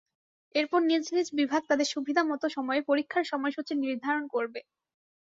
এরপর নিজ নিজ বিভাগ তাদের সুবিধামতো সময়ে পরীক্ষার সময়সূচি নির্ধারণ করবে।